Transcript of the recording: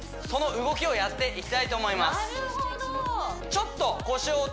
その動きをやっていきたいと思います